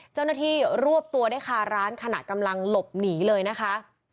เจ้าหน้าที่รวบตัวได้คาร้านขณะกำลังหลบหนีเลยนะคะ